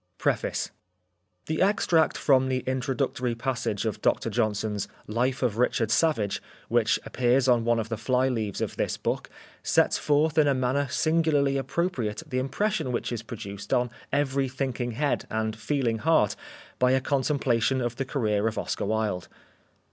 Preface The extract from the introductory passage of Dr Johnson's ''Life of Richard Savage" which appears on one of the fly leaves of this book sets forth in a manner singularly appropriate the impression which is produced on every thinking head and feeling heart by a contemplation of the career of Oscar Wilde.